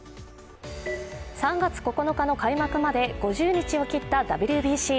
３月９日の開幕まで５０日を切ったＷＢＣ。